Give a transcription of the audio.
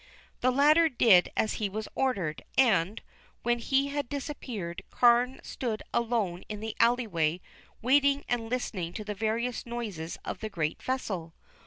The latter did as he was ordered, and, when he had disappeared, Carne stood alone in the alley way waiting and listening to the various noises of the great vessel.